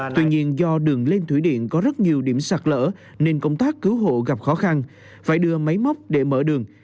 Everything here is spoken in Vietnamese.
tuy nhiên do đường lên thủy điện có rất nhiều điểm sạt lỡ nên công tác cứu hộ gặp khó khăn phải đưa máy móc để mở đường